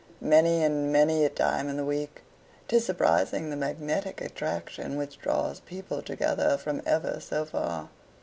many and many a time in the week. 'Tis surprising the magnetic attraction which draws people together from ever so far.